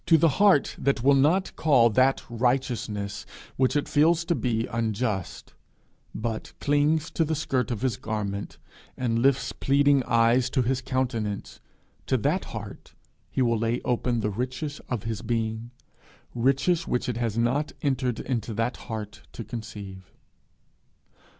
To the heart that will not call that righteousness which it feels to be unjust, but clings to the skirt of his garment, and lifts pleading eyes to his countenance to that heart he will lay open the riches of his being riches which it has not entered that heart to conceive.